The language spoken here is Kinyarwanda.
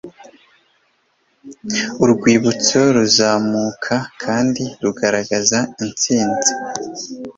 Urwibutso ruzamuka kandi rugaragaza intsinzi